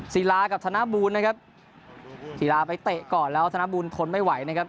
ศิลากับธนบูลนะครับกีฬาไปเตะก่อนแล้วธนบุญทนไม่ไหวนะครับ